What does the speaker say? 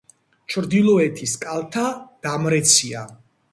ჩრდილოეთის კალთა დამრეცია.